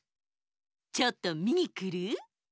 ちょっとみにくる？